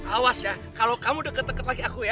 awas ya kalau kamu deket deket lagi aku ya